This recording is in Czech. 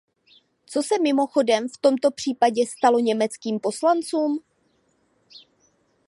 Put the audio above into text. Co se, mimochodem, v tomto případě stalo německým poslancům?